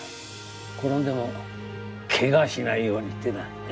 転んでもけがしないようにってな。